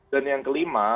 dan yang kelima